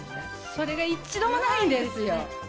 それが一度もないんですよ。